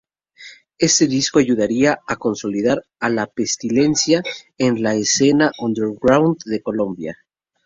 Este disco ayudaría a consolidar a La Pestilencia en la escena underground de Colombia.